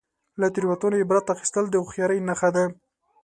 • له تیروتنو عبرت اخیستل د هوښیارۍ نښه ده.